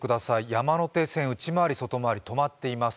山手線内回り、外回り止まっています。